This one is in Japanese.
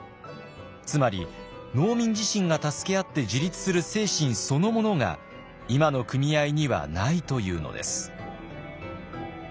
つまり農民自身が助け合って自立する精神そのものが今の組合にはないというのです。